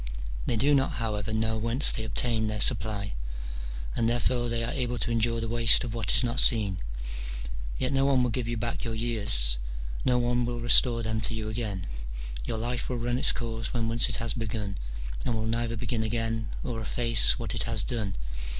They do not, however, know whence they obtain their supply, and therefore they are able to endure the waste of what is not seen : yet no one will give you back your years, no one will restore them to you again : your life will run its course when once it has begun, and will neither begin again or efface what it has done.